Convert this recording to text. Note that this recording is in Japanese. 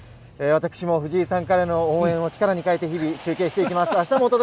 私も藤井さんからの応援を力に変えて、日々中継していきます。